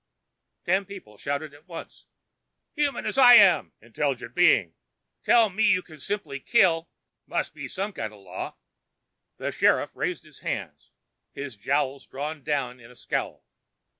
Ten people shouted at once: " human as I am!" " intelligent being!" " tell me you can simply kill "" must be some kind of law " The sheriff raised his hands, his jowls drawn down in a scowl.